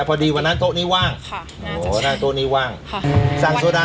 พอดีวันนั้นโต๊ะนี้ว่างค่ะโต๊ะนี้ว่างค่ะสั่งโซดา